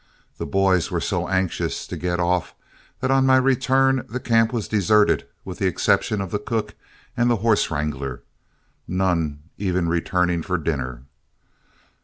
The boys were so anxious to get off that on my return the camp was deserted with the exception of the cook and the horse wrangler, none even returning for dinner.